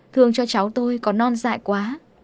thương cho cháu tôi có non dại quá